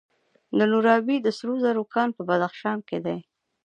د نورابې د سرو زرو کان په بدخشان کې دی.